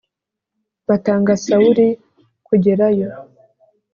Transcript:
batanga Sawuli kugerayo.